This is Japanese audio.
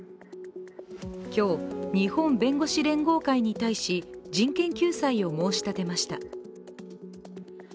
今日、日本弁護士連合会に対し人権救済を申し立てました。